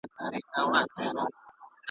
د یوې شېبې وصال دی بس له نار سره مي ژوند دی .